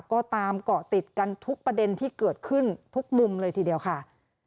ก็ตามเกาะติดกันทุกประเด็นที่เกิดขึ้นทุกมุมเลยทีเดียวค่ะ